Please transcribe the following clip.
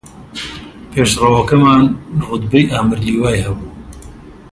پێشڕەوەکەمان ڕوتبەی ئامیر لیوای هەبوو